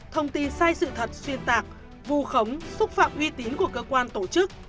thông tin sai sự thật xuyên tạc vù khống xúc phạm uy tín của cơ quan tổ chức